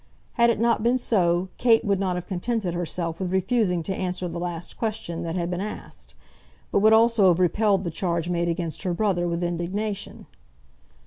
Had it not been so, Kate would not have contented herself with refusing to answer the last question that had been asked, but would also have repelled the charge made against her brother with indignation.